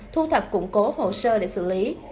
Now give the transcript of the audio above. thu thập củng cố hồ sơ để xử lý